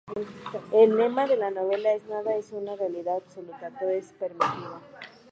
El lema de la novela es "Nada es una realidad absoluta, todo está permitido".